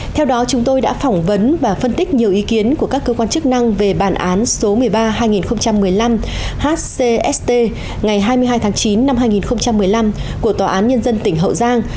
theo đó chúng tôi đã phỏng vấn và phân tích nhiều ý kiến của các cơ quan chức năng về bản án số một mươi ba hai nghìn một mươi năm hcst ngày hai mươi hai tháng chín năm hai nghìn một mươi năm của tòa án nhân dân tỉnh hậu giang